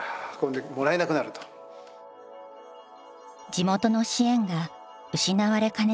地元の支援が失われかねない危機。